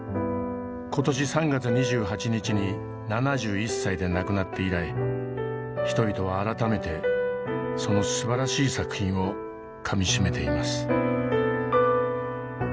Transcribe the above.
今年３月２８日に７１歳で亡くなって以来人々は改めてそのすばらしい作品をかみしめています。